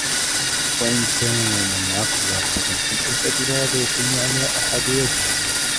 وَإِنْ كَانَ الْعَقْدُ رَغْبَةً فِي الْأُلْفَةِ فَهَذَا يَكُونُ عَلَى أَحَدِ وَجْهَيْنِ